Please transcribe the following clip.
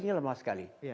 ini lemah sekali